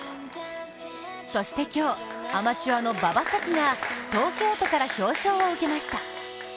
そして今日、アマチュアの馬場咲希が東京都から表彰を受けました。